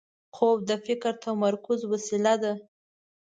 خوب د فکر د تمرکز وسیله ده